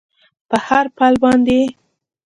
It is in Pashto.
په هر پل باندې یې